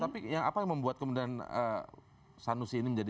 tapi apa yang membuat kemudian sanusi ini menjadi